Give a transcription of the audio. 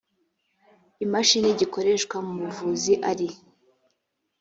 imashini gikoreshwa mu buvuzi ari